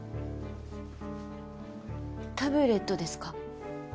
タブレットですか？